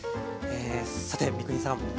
さて三國さん